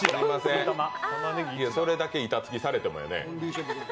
それだけ板付きされてもやね。